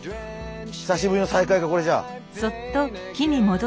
ひさしぶりの再会がこれじゃあ。